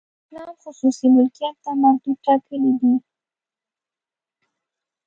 اسلام خصوصي ملکیت ته حدود ټاکلي دي.